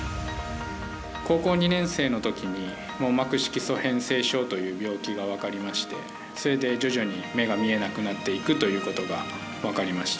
高校２年生のときに網膜色素変性症という病気が分かりましてそれで徐々に目が見えなくなっていくということが分かりました。